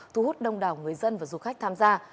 thu hút đông đảo người dân và du khách tham gia